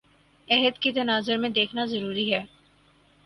عہد کے تناظر میں دیکھنا ضروری ہے